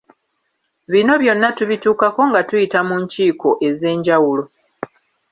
Bino byonna tubituukako nga tuyita mu nkiiko ez’enjawulo.